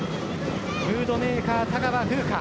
ムードメーカー・田川楓夏。